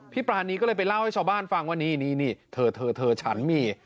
ปรานีก็เลยไปเล่าให้ชาวบ้านฟังว่านี่เธอฉันมี